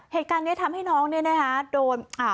เหตุการณ์นี้ทำให้น้องเนี่ยนะคะโดนอ่า